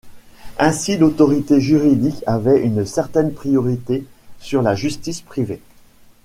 Ainsi, l'autorité juridique avait une certaine priorité sur la justice privée.